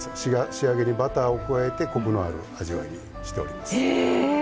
仕上げにバターを加えてコクのある味わいにしてあります。